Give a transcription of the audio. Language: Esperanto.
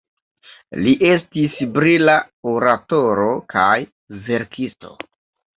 Li estis brila oratoro kaj verkisto.